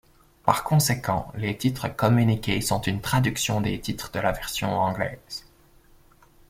Par conséquent, les titres communiqués sont une traduction des titres de la version anglaise.